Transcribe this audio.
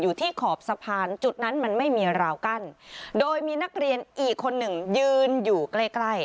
ขอบสะพานจุดนั้นมันไม่มีราวกั้นโดยมีนักเรียนอีกคนหนึ่งยืนอยู่ใกล้ใกล้